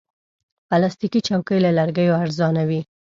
پلاستيکي چوکۍ له لرګیو ارزانه وي.